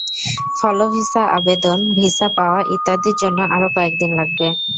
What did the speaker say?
ফলে ভিসা আবেদন, ভিসা পাওয়া ইত্যাদির জন্য আরও কয়েক দিন লাগবে।